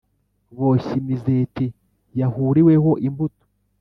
boshye imizeti yahuruweho imbuto,